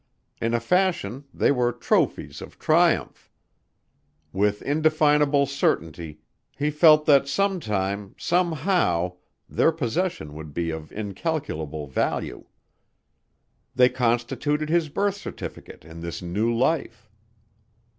In a fashion they were trophies of triumph. With indefinable certainty he felt that some time somehow their possession would be of incalculable value. They constituted his birth certificate in this new life.